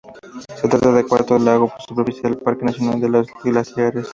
Se trata del cuarto lago en superficie del Parque nacional de los Glaciares.